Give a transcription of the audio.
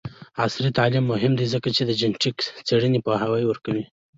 عصري تعلیم مهم دی ځکه چې د جینیټک څیړنې پوهاوی ورکوي.